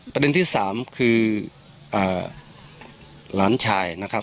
ประเด็นที่สามคือหลานชายนะครับ